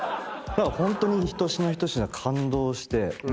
ホントに一品一品感動して。